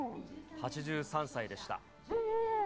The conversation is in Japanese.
８３歳でした。